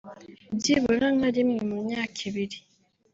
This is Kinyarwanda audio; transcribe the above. byibura nka rimwe mu myaka ibiri